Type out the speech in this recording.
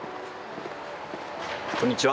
こんにちは。